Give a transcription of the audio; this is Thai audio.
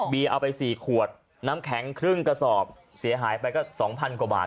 เอาไป๔ขวดน้ำแข็งครึ่งกระสอบเสียหายไปก็๒๐๐กว่าบาท